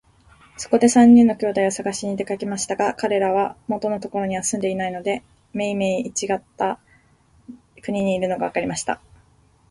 そこで三人の兄弟をさがしに出かけましたが、かれらは元のところには住んでいないで、めいめいちがった国にいるのがわかりました。